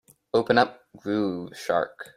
Open up Groove Shark.